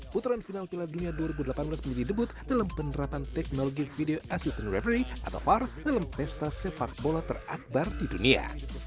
putaran final piala dunia dua ribu delapan belas menjadi debut dalam penerapan teknologi video assistant referee atau var dalam pesta sepak bola terakbar di dunia